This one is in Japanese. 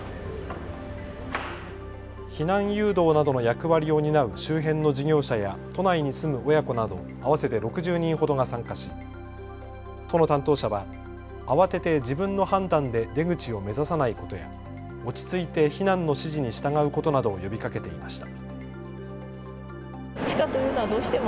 避難誘導などの役割を担う周辺の事業者や都内に住む親子など合わせて６０人ほどが参加し都の担当者は慌てて自分の判断で出口を目指さないことや落ち着いて避難の指示に従うことなどを呼びかけていました。